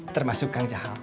termasuk kang jahal